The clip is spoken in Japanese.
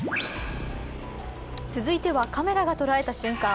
続いてはカメラが捉えた瞬間。